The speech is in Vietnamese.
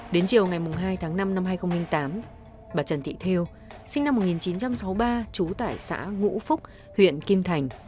đến chiều ngày hai tháng năm năm hai nghìn tám bà trần thị theo sinh năm một nghìn chín trăm sáu mươi ba trú tại xã ngũ phúc huyện kim thành